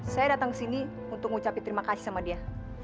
saya datang ke sini untuk mengucapkan terima kasih sama dia